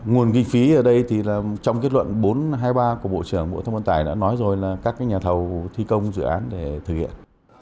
nguồn kinh phí ở đây thì trong kết luận bốn trăm hai mươi ba của bộ trưởng bộ thông an tài đã nói rồi là các nhà thầu thi công dự án để thực hiện